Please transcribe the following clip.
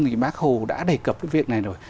thì bác hồ đã đề cập cái việc này rồi